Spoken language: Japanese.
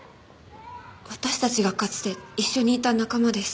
私たちがかつて一緒にいた仲間です。